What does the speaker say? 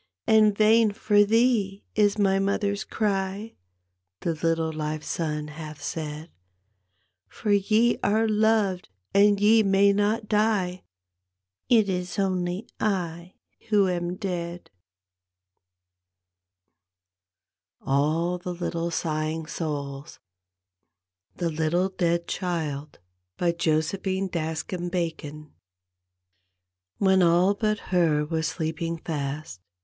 " And vain for thee is my mother's cry," The little live son hath said, " For ye are loved and ye may not dit— It is only I who am dead 1 " THE LITTLE DEAD CHILD : Josephine daskam BACON When all but her were sleeping fast.